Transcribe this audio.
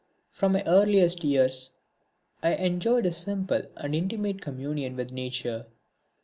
From my earliest years I enjoyed a simple and intimate communion with Nature.